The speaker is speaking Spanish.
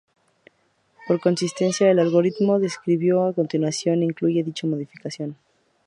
Por consistencia, el algoritmo descrito a continuación incluye dicha modificación.